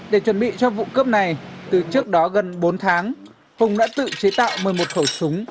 để chuẩn bị cho vụ cướp này từ trước đó gần bốn tháng hùng đã tự chế tạo một mươi một khẩu súng